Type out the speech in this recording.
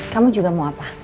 kamu juga mau apa